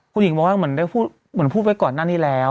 คุณหญิงบอกว่าเหมือนได้พูดไว้ก่อนนั้นทีแล้ว